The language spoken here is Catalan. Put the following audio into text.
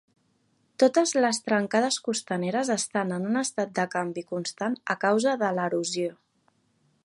Totes les trencades costaneres estan en un estat de canvi constant a causa de l'erosió.